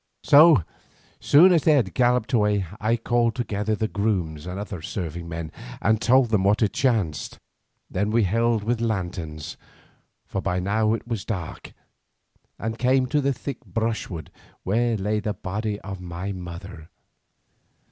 So soon as they had galloped away I called together the grooms and other serving men and told them what had chanced. Then we went with lanterns, for by now it was dark, and came to the thick brushwood where lay the body of my mother.